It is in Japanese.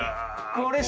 これ。